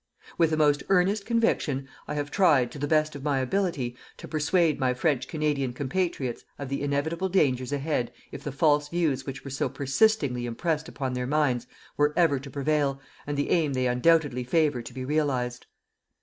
With the most earnest conviction, I have tried, to the best of my ability, to persuade my French Canadian compatriots of the inevitable dangers ahead if the false views which were so persistingly impressed upon their minds were ever to prevail, and the aim they undoubtedly favour to be realized.